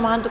uh uh uh